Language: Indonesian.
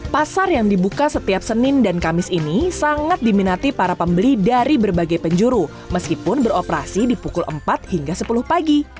pasar yang dibuka setiap senin dan kamis ini sangat diminati para pembeli dari berbagai penjuru meskipun beroperasi di pukul empat hingga sepuluh pagi